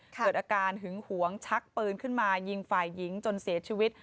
เกิดอาการหึงหวงชักปืนขึ้นมายิงฝ่ายหญิงจนเสียชีวิต